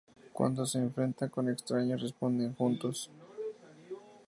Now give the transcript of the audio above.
Cuando se enfrentan con extraños responden juntos.